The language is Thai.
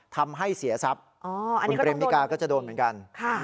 ทำให้เสียทรัพย์คุณเปรมมิกาก็จะโดนเหมือนกัน